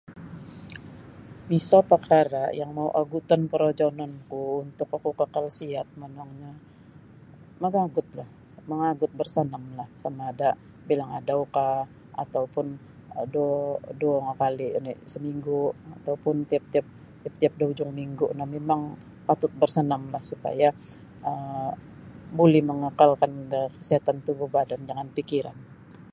Miso pakara yang mau oguton korojonon ku untuk oku kakal siat monongnyo mangagut lah mangagut barsanam lah samaada bilang adau ka atau pun um duo duo ngakali oni saminggu ataupun tiap-tiap tiap-tiap da ujung minggu noh mimang patut barsanamlah supaya um buli mangakal kan da kasiatan tubuh badan jangan pikiran.